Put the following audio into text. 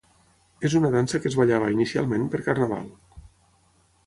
És una dansa que es ballava, inicialment, per Carnaval.